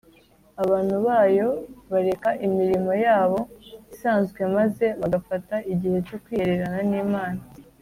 . Abantu bayo bareka imirimo yabo isanzwe maze bagafata igihe cyo kwihererana n’Imana